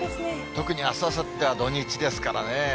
特にあす、あさっては土日ですからね。